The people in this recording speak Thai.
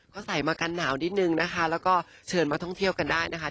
เขาใส่มากันหนาวนิดนึงนะคะแล้วก็เชิญมาท่องเที่ยวกันได้นะคะ